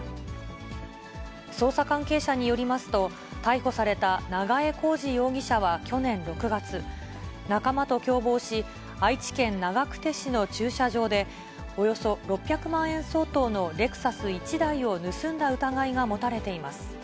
捜査関係者によりますと、逮捕された長江浩司容疑者は去年６月、仲間と共謀し、愛知県長久手市の駐車場で、およそ６００万円相当のレクサス１台を盗んだ疑いが持たれています。